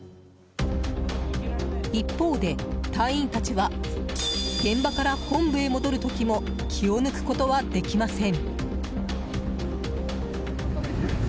一方で、隊員たちは現場から本部へ戻る時も気を抜くことはできません。